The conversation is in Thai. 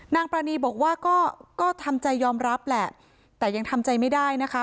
ปรานีบอกว่าก็ก็ทำใจยอมรับแหละแต่ยังทำใจไม่ได้นะคะ